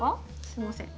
すいません。